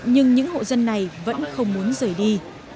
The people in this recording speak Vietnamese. nhưng những hộ dân này vẫn không muốn rời đi